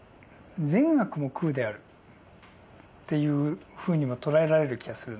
「善悪も空である」っていうふうにも捉えられる気がするんです。